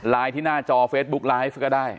ไลน์ที่หน้าจอเฟสบุ๊คไลน์ให้ซึ่งก็ได้